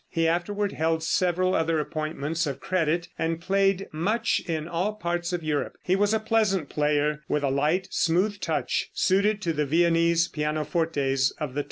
He afterward held several other appointments of credit, and played much in all parts of Europe. He was a pleasant player, with a light, smooth touch, suited to the Viennese pianofortes of the time.